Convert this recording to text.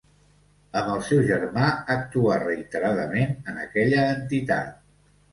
Amb el seu germà actuà reiteradament en aquella entitat.